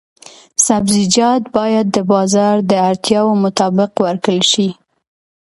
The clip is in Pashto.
سبزیجات باید د بازار د اړتیاوو مطابق وکرل شي.